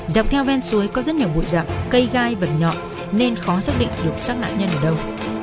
dọc theo ven suối có rất nhiều bụi dặm cây gai và nhọn nên khó xác định được sát nạn nhân ở đâu